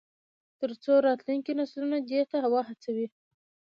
تر څو راتلونکي نسلونه دې ته وهڅوي.